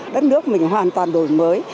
đất nước mình hoàn toàn đổi mới